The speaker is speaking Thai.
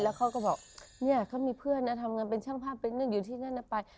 เขาก็บอกเนี่ยเขามีเพื่อนนะทำงานเป็นช่างภาพเป็นเรื่องอยู่ที่นั่นนะไป